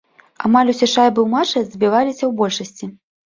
Амаль усе шайбы ў матчы забіваліся ў большасці.